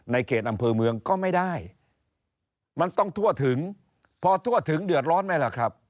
เขตอำเภอเมืองก็ไม่ได้มันต้องทั่วถึงพอทั่วถึงเดือดร้อนไหมล่ะครับ